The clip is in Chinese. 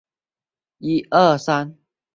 河南罗山县人。